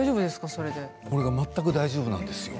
それが全く大丈夫なんですよ。